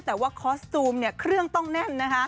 แต่ว่าคอสตูมเนี่ยเครื่องต้องแน่นนะคะ